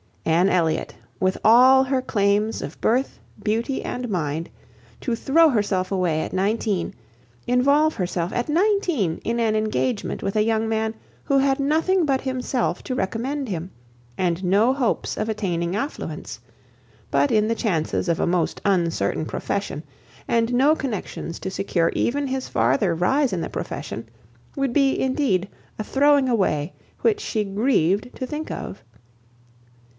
Anne Elliot, with all her claims of birth, beauty, and mind, to throw herself away at nineteen; involve herself at nineteen in an engagement with a young man, who had nothing but himself to recommend him, and no hopes of attaining affluence, but in the chances of a most uncertain profession, and no connexions to secure even his farther rise in the profession, would be, indeed, a throwing away, which she grieved to think of!